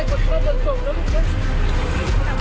คนพอตรงนี้ไปแล้วนะคะ